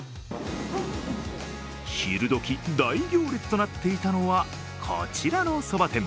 昼時、大行列となっていたのはこちらのそば店。